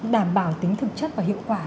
đảm bảo tính thực chất và hiệu quả